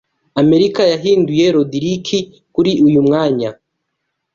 Amerika yahinduye Roderiki kuri uyu mwanya